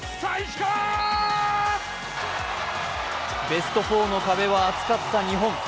ベスト４の壁は厚かった日本。